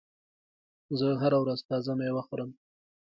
زه هره ورځ تازه مېوه خورم.